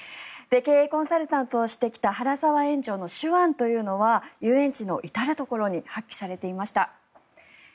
経営コンサルタントをしてきた原澤園長の手腕というのは遊園地の至るところに発揮されていました。